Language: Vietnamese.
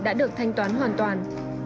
đã được thanh toán hoàn toàn